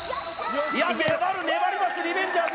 粘る粘りますリベンジャーズ